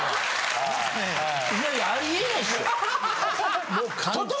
いやいやありえないっしょ。